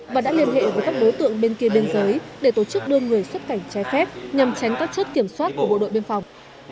và đã liên hệ với các đối tượng bên kia biên giới để tổ chức đưa người xuất cảnh trái phép nhằm tránh các chất kiểm soát của bộ đội biên phòng